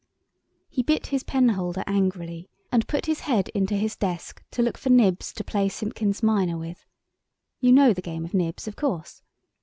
He bit his penholder angrily and put his head into his desk to look for nibs to play Simpkins minor with. You know the game of nibs, of course?